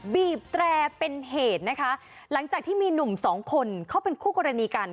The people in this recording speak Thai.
บีบแตรเป็นเหตุนะคะหลังจากที่มีหนุ่มสองคนเขาเป็นคู่กรณีกัน